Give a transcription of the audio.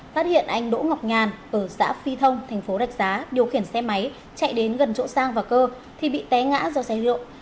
phát hiện anh đỗ ngọc nhàn ở xã phi thông thành phố rạch giá điều khiển xe máy chạy đến gần chỗ sang và cơ thì bị té ngã do say rượu